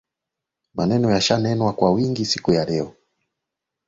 Maneno yameshanenwa kwa wingi siku ya leo